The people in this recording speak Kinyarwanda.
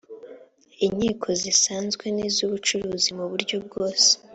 b inkiko zisanzwe n iz ubucuruzi mu buryo bwose